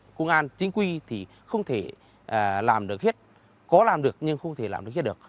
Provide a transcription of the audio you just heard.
công an chính quy thì không thể làm được hết có làm được nhưng không thể làm được hết được